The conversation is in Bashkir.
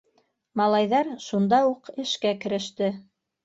Малайҙар шунда уҡ эшкә кереште.